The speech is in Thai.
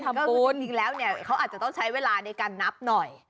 ก็คือจริงแล้วเนี่ยเขาอาจจะต้องใช้เวลาในการนับหน่อย